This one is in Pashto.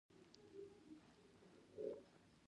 لاسونه د پاکۍ نښه ده